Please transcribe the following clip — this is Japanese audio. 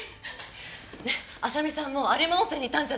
ねえ亜沙美さんも有馬温泉にいたんじゃない？